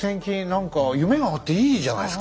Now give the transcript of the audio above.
何か夢があっていいじゃないですか。